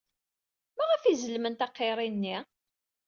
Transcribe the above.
Maɣef ay zemlent aqirri-nni?